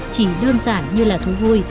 chỉ đơn giản như là thú vui